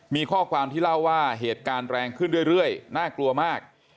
มีข้อความที่เล่าว่าเหตุการณ์แรงขึ้นเรื่อยน่ากลัวมาก